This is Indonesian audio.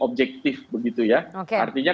objektif begitu ya artinya